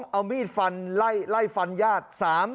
เอามีดฟันไล่ฟันญาติ